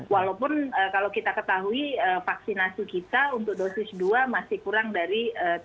kita sudah mengetahui vaksinasi kita untuk dosis dua masih kurang dari tiga puluh